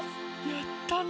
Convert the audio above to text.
やったね！